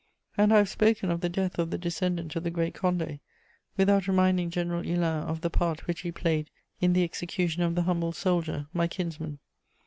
And I have spoken of the death of the descendant of the Great Condé, without reminding General Hulin of the part which he played in the execution of the humble soldier, my kinsman.